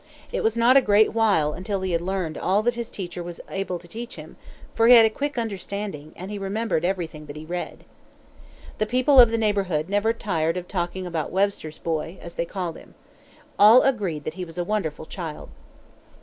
It was not a great while until he had learned all that his teacher was able to teach him; for he had a quick understanding, and he remembered everything that he read. The people of the neighborhood never tired of talking about "Webster's boy," as they called him. All agreed that he was a wonderful child.